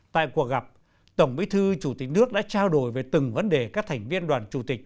tại cuộc gặp tổng bí thư chủ tịch nước đã trao đổi về từng vấn đề các thành viên đoàn chủ tịch